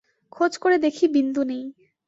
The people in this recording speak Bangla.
খোঁজ করে দেখি, বিন্দু নেই।